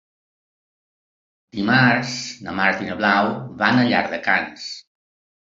Dimarts na Marta i na Blau van a Llardecans.